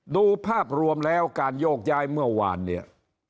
ดูภาพรวมแล้วการโยกย้ายเมื่อวานเนี่ย